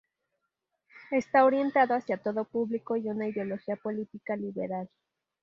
Está orientado hacia todo público y una ideología política liberal.